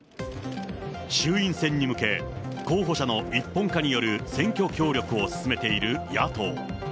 衆院選に向け、候補者の一本化による選挙協力を進めている野党。